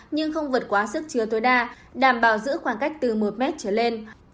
nhưng không vượt quá sức trưa tối đa đảm bảo giữ khoảng cách từ một m trở lên